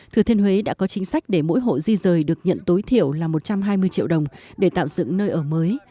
thừa thiên huế đã có chính sách để mỗi hộ di rời được nhận tối thiểu là một trăm hai mươi triệu đồng để tạo dựng nơi ở mới